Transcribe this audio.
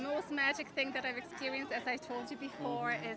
adalah tanggapan tangan yang paling hangat di dunia